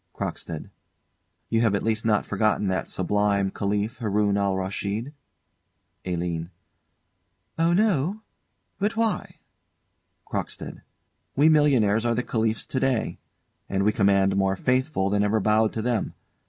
CROCKSTEAD. You have at least not forgotten that sublime Caliph, Haroun Al Raschid? ALINE. Oh, no but why? CROCKSTEAD. We millionaires are the Caliphs to day; and we command more faithful than ever bowed to them.